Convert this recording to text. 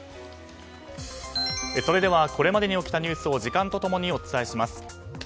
これまでに起きたニュースを時間と共にお伝えします。